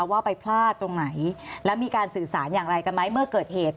ว่าไปพลาดตรงไหนแล้วมีการสื่อสารอย่างไรกันไหมเมื่อเกิดเหตุ